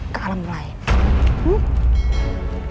ke alam lain